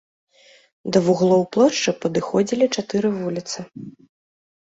Да вуглоў плошчы падыходзілі чатыры вуліцы.